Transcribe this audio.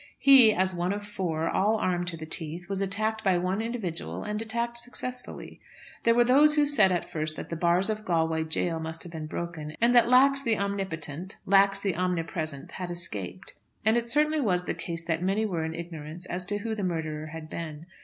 He, as one of four, all armed to the teeth, was attacked by one individual, and attacked successfully. There were those who said at first that the bars of Galway jail must have been broken, and that Lax the omnipotent, Lax the omnipresent, had escaped. And it certainly was the case that many were in ignorance as to who the murderer had been.